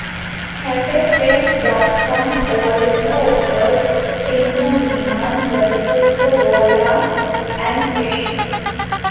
CafePress dot com also offers print on demand services for wall art and stationery.